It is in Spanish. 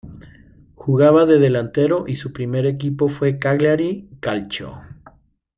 Jugaba de delantero y su primer equipo fue Cagliari Calcio.